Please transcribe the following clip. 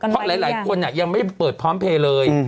เพราะหลายคนยังไม่เปิดพร้อมเพลย์เลย